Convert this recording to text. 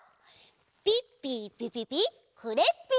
ピッピーピピピクレッピー！